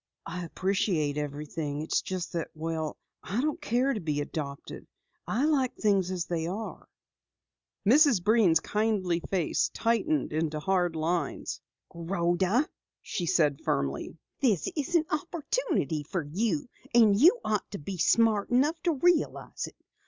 "I appreciate everything. It's just that well, I don't care to be adopted. I like things as they are." Mrs. Breen's kindly face tightened into hard lines. "Rhoda," she said firmly, "this is an opportunity for you, and you ought to be smart enough to realize it.